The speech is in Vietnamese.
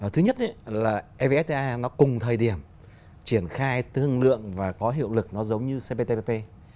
thứ nhất là evfta nó cùng thời điểm triển khai tương lượng và có hiệu lực nó giống như cptpp